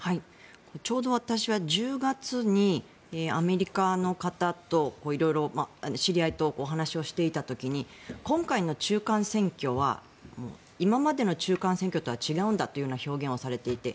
ちょうど私は１０月にアメリカの方と色々知り合いとお話をしていた時に今回の中間選挙は今までの中間選挙とは違うんだというような表現をされていて。